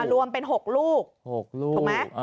อ่ะรวมเป็นหกลูกหกลูกถูกไหมอ่า